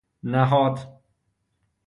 نهاد